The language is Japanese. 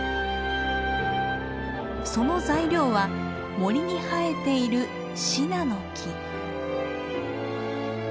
その材料は森に生えているシナノキ。